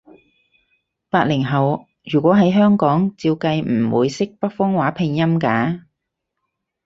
八零後，如果喺香港，照計唔會識北方話拼音㗎